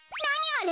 あれ。